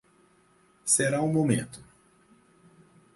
Será um momento.